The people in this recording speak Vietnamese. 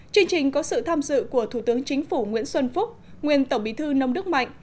chương trình có sự tham dự của thủ tướng chính phủ nguyễn xuân phúc nguyên tổng bí thư nông đức mạnh